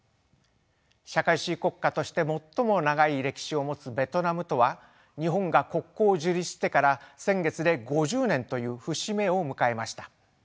社会主義国家として最も長い歴史を持つベトナムとは日本が国交を樹立してから先月で５０年という節目を迎えました。